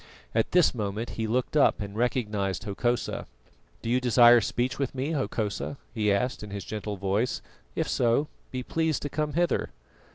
At this moment he looked up and recognised Hokosa. "Do you desire speech with me, Hokosa?" he asked in his gentle voice. "If so, be pleased to come hither."